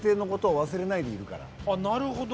なるほど。